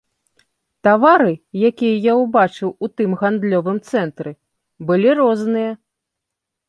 Тавары, якія я ўбачыў у тым гандлёвым цэнтры, былі розныя.